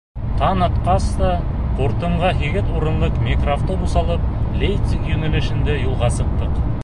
Таң атҡас та, ҡуртымға һигеҙ урынлыҡ микроавтобус алып, Лейпциг йүнәлешендә юлға сыҡтыҡ.